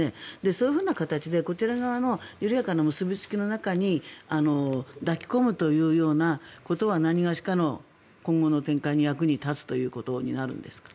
そういうふうな形で、こちら側の緩やかな結びつきの中に抱きこむというようなことはなにがしかの今後の展開に役に立つということになるんですか？